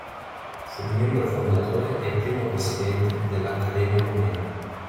Fu membro fondatore e primo presidente dell'Accademia rumena.